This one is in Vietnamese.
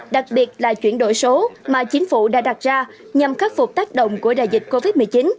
đặc biệt là chuyển đổi số mà chính phủ đã đặt ra nhằm khắc phục tác động của đại dịch covid một mươi chín